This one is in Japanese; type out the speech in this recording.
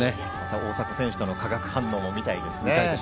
大迫選手との化学反応も見たいですね。